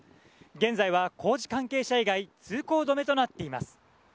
現在は工事関係者以外通行止めとなっています。